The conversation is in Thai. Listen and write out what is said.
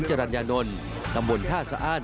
จรัญญานนท์ตำบลท่าสะอ้าน